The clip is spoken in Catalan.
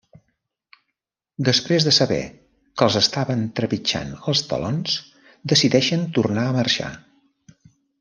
Després de saber que els estaven trepitjant els talons decideixen tornar a marxar.